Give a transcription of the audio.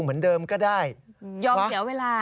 เหมือนเดิมก็ได้ยอมเสียเวลา